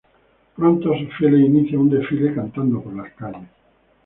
Pronto sus fieles inician un desfile cantando por las calles.